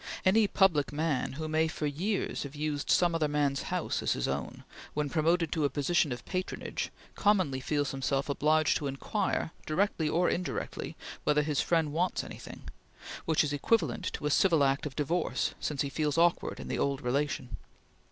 Any public man who may for years have used some other man's house as his own, when promoted to a position of patronage commonly feels himself obliged to inquire, directly or indirectly, whether his friend wants anything; which is equivalent to a civil act of divorce, since he feels awkward in the old relation.